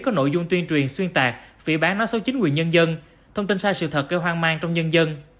có nội dung tuyên truyền xuyên tạc phỉ bán nói xấu chính quyền nhân dân thông tin sai sự thật gây hoang mang trong nhân dân